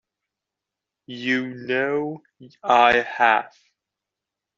You know I have.